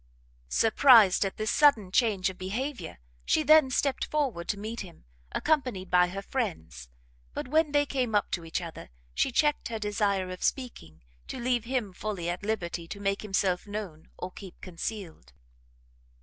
Surprised at this sudden change of behaviour, she then stept forward to meet him, accompanied by her friends: but when they came up to each other, she checked her desire of speaking, to leave him fully at liberty to make himself known, or keep concealed.